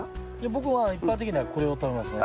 僕は一般的にはこれを食べますね。